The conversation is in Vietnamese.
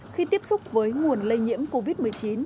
khi tiếp xúc với nguồn lây nhiễm covid một mươi chín